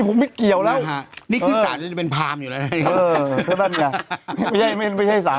อ่าวอ่าวอ่าวง่ายต่อเข้ามา